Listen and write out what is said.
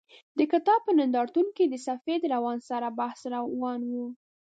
د کتاب په نندارتون کې د سفید روان سره بحث و.